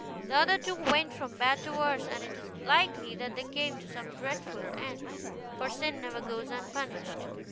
The other two went from bad to worse, and it is likely that they came to some dreadful end. For sin never goes unpunished.